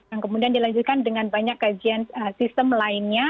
yang kemudian dilanjutkan dengan banyak kajian sistem lainnya